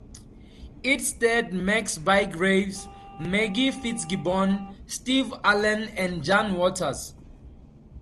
It starred Max Bygraves, Maggie Fitzgibbon, Steve Arlen and Jan Waters.